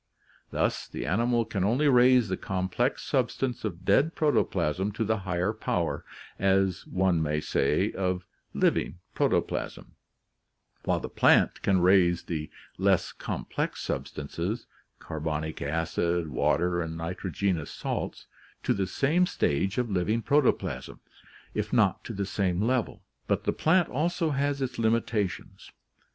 "Thus, the animal can only raise the complex substance of dead protoplasm to the higher power, as one may say, of living proto plasm; while the plant can raise the' less complex substances — carbonic acid, water, and nitrogenous salts — to the same stage of living protoplasm, if not to the same level. But the plant also has its limitations.